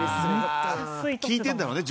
聞いてるんだろうね